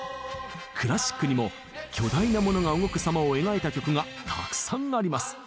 クラシックにも巨大なモノが動くさまを描いた曲がたくさんあります。